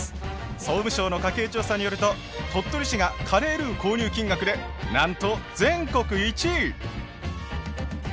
総務省の家計調査によると鳥取市がカレールー購入金額でなんと全国１位。